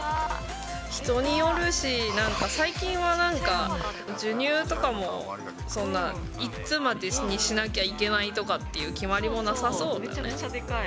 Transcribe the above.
人によるし、最近はなんか、授乳とかも、そんないつまでにしなきゃいけないとかっていう決まりもなさそうだね。